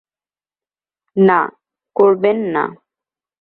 না, করবেন না!